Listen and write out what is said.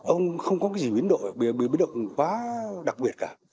ông không có cái gì biến đội biến đội cũng quá đặc biệt cả